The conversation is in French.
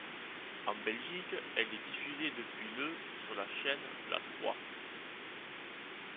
En Belgique, elle est diffusée depuis le sur la chaîne La Trois.